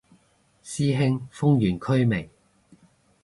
師兄封完區未